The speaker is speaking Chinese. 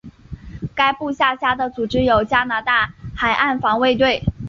该部下辖的组织有加拿大海岸防卫队。